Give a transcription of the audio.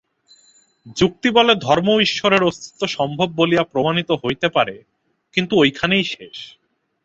যুক্তিবলে ধর্ম ও ঈশ্বরের অস্তিত্ব সম্ভব বলিয়া প্রমাণিত হইতে পারে, কিন্তু ঐখানেই শেষ।